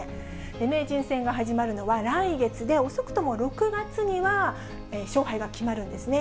名人戦が始まるのは来月で、遅くとも６月には勝敗が決まるんですね。